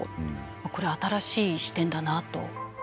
これ新しい視点だなと。